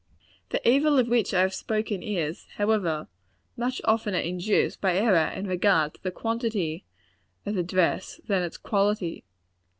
The evil of which I have spoken is, however, much oftener induced by error in regard to the quantity of dress, than its quality.